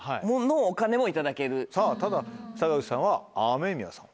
さぁただ坂口さんはＡＭＥＭＩＹＡさん。